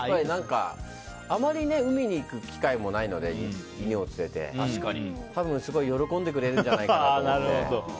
あまり海に行く機会もないので犬を連れて、たぶん喜んでくれるんじゃないかと。